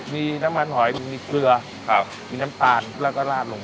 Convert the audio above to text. มีน้ำมันหอยมีเกลือมีน้ำตาลแล้วก็ลาดลง